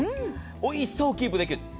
おいしさをキープできる。